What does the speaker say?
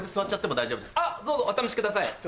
あっどうぞお試しください。